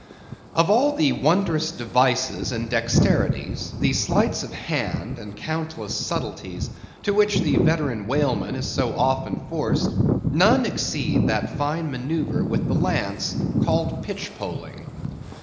Of all the wondrous devices and dexterities, the sleights of hand and countless subtleties, to which the veteran whaleman is so often forced, none exceed that fine manœuvre with the lance called pitchpoling.